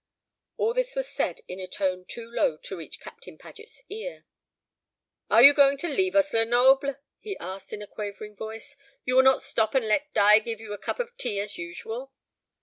All this was said in a tone too low to reach Captain Paget's ear. "Are you going to leave us, Lenoble?" he asked in a quavering voice. "You will not stop and let Di give you a cup of tea as usual?"